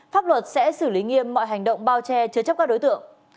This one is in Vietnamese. pháp luật sẽ xử lý nghiêm mọi hành động bao che chứa chấp các đối tượng